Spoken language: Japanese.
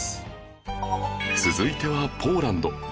続いてはポーランド